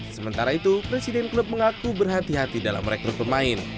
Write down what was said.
sementara itu presiden klub mengaku berhati hati dalam merekrut pemain